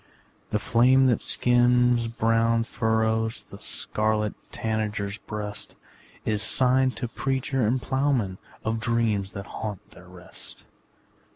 The flame that skims brown furrows The scarlet tanager's breast, Is sign to preacher and ploughman Of dreams that haunt their rest.